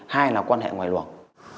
hai là quan hệ ngoài luồng